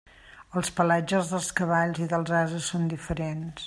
Els pelatges dels cavalls i dels ases són diferents.